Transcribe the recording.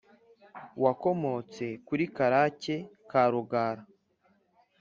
Wakomotse kuri Karake ka Rugara